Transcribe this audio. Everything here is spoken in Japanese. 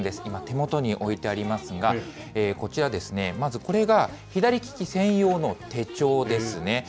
今、手元に置いてありますが、こちら、まずこれが左利き専用の手帳ですね。